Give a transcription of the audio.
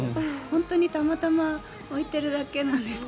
本当にたまたま置いてるだけなんですか？